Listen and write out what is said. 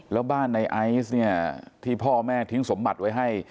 แล้วบ้านในไอซ์เนี่ยที่พ่อแม่ทิ้งสมบัติไว้ให้